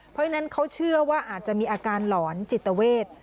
เพราะฉะนั้นเขาเชื่อว่าอาจจะมีอาการหลอนจิตเวท